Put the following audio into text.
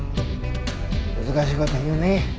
難しい事言うね。